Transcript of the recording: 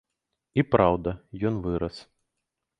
І праўда, ён вырас.